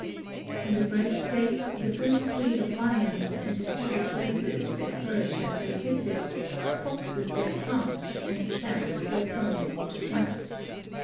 "In the first place, the first breed of lions and the savage races their courage has protected, foxes their craft, and stags their proneness to flight.